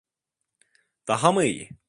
Daha mı iyi?